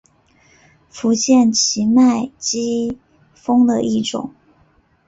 福建畸脉姬蜂的一种。